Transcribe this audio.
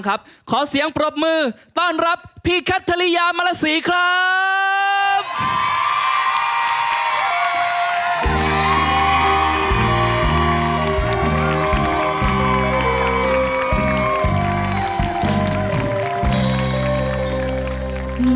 ขวัญใจคนจนหน้ามนต์คนเพชรจะเชื่อหัวนอนทุกคืน